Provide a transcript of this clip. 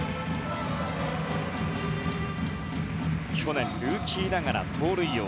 去年、ルーキーながら盗塁王。